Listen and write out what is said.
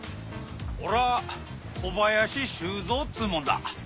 おら小林修三っつうもんだ。